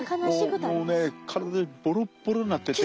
もうね完全にボロボロになってて。